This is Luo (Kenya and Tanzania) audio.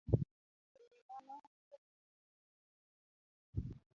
E wi mano, achiel kuom gik makelo